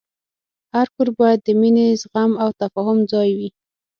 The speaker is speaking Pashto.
هر کور باید د مینې، زغم، او تفاهم ځای وي.